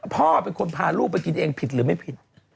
พ่อเป็นคนพาลูกไปกินเองผิดหรือไม่ผิด